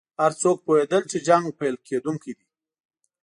هر څوک پوهېدل چې جنګ پیل کېدونکی دی.